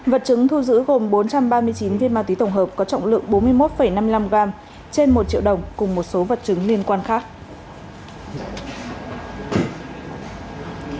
vật chứng thu giữ gồm bốn trăm ba mươi chín viên ma túy tổng hợp có trọng lượng bốn mươi một năm mươi năm gram trên một triệu đồng cùng một số vật chứng liên quan khác